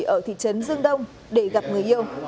ở thị trấn dương đông để gặp người yêu